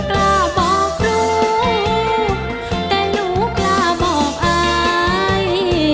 บอกราบบอกรู้แต่ลูกราบบอกอาย